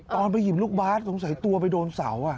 ตอนไปหยิบลูกบาทสงสัยตัวไปโดนเสา